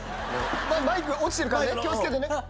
マイク落ちてるからね。